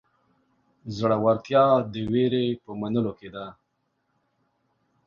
زړهورتیا د وېرې په منلو کې ده.